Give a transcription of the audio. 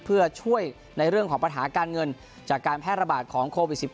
เพื่อช่วยในเรื่องของปัญหาการเงินจากการแพร่ระบาดของโควิด๑๙